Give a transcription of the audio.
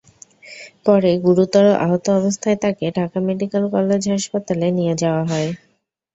পরে গুরুতর আহত অবস্থায় তাঁকে ঢাকা মেডিকেল কলেজ হাসপাতালে নিয়ে যাওয়া হয়।